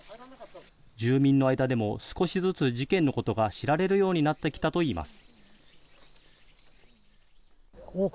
住民の間でも少しずつ事件のことが知られるようになってきたといいます。